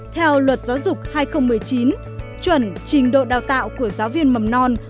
theo luật giáo dục hai nghìn một mươi chín chuẩn trình độ đào tạo của giáo viên mầm non